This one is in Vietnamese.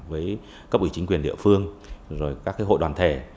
với các ủy chính quyền địa phương các hội đoàn thể